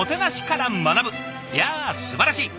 いやすばらしい。